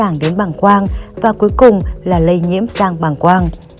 dễ dàng đến bảng quang và cuối cùng là lây nhiễm sang bảng quang